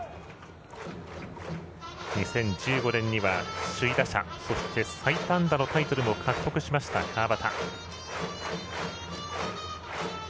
２０１５年には首位打者そして、最多安打のタイトルも獲得した川端。